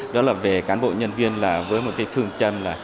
đó là về cán bộ nhân viên với một phương chân là